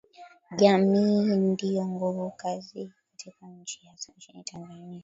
Jamii ndiyo nguvu kazi katika nchi hasa nchini Tanzania